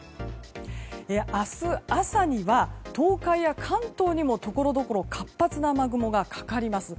明日朝には東海や関東にもところどころ活発な雨雲がかかります。